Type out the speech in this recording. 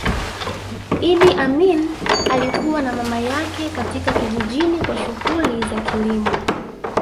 Idi Amin alikua na mama yake katika kijijini kwa shughuli za kilimo